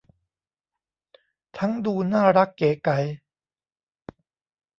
ทั้งดูน่ารักเก๋ไก๋